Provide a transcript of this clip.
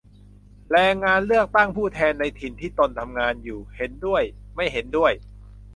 แรงงานเลือกตั้งผู้แทนในถิ่นที่ตนทำงานอยู่ ? เห็นด้วย ไม่เห็นด้วย